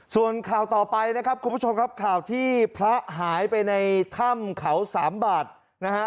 ส่วนข่าวต่อไปนะครับคุณผู้ชมครับข่าวที่พระหายไปในถ้ำเขาสามบาทนะฮะ